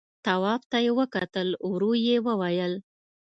تواب ته يې وکتل، ورو يې وويل: